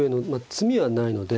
詰みはないので。